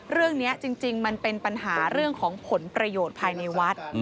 เรื่องนี้จริงมันเป็นปัญหาเรื่องของผลประโยชน์ภายในวัด